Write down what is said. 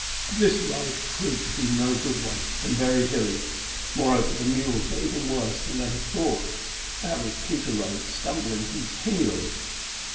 This road proved to be no good one, and very hilly; moreover, the mules were even worse than they had thought, that which Peter rode stumbling continually.